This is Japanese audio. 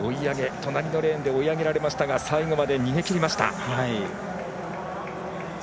隣のレーンで追い上げられましたが最後まで逃げきりました。